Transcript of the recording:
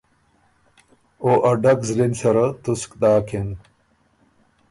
او ا ډک زلی ن سره تسک داکِن۔